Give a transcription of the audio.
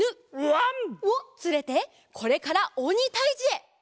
わん！をつれてこれからおにたいじへ！